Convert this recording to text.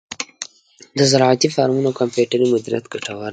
د زراعتی فارمو کمپیوټري مدیریت ګټور دی.